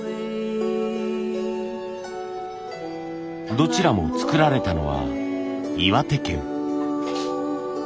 どちらも作られたのは岩手県。